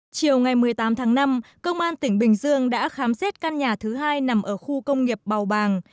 chiều ngày một mươi tám tháng năm công an tỉnh bình dương đã khám xét căn nhà thứ hai nằm ở khu công nghiệp bào bàng